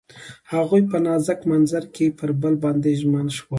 هغوی په نازک منظر کې پر بل باندې ژمن شول.